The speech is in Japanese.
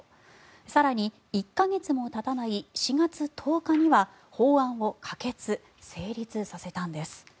更に、１か月もたたない４月１０日には法案を可決・成立させたんです。